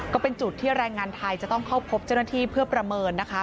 ก็เป็นจุดที่แรงงานไทยจะต้องเข้าพบเจ้าหน้าที่เพื่อประเมินนะคะ